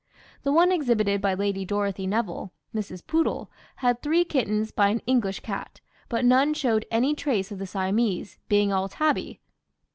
The one exhibited by Lady Dorothy Nevill (Mrs. Poodle) had three kittens by an English cat; but none showed any trace of the Siamese, being all tabby.